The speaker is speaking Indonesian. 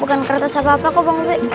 bukan kertas apa apa kok bang